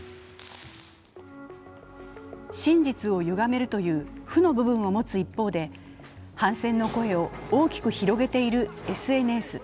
真実を歪めるという負の部分を持つ一方で、反戦の声を大きく広げているＳＮＳ。